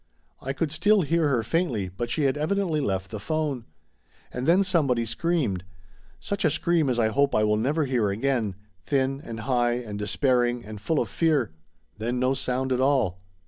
I could still hear her faintly, but she had evidently left the phone. And then some body screamed. Such a scream as I hope I will never hear again thin and high and despairing and full of fear. Then no sound at all.